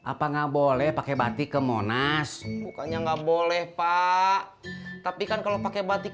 apa nggak boleh pakai batik ke monas bukannya nggak boleh pak tapi kan kalau pakai batik